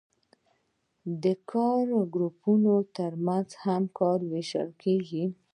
د کاري ګروپونو ترمنځ هم کار ویشل کیږي.